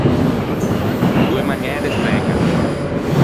Doe magnæ de fæña.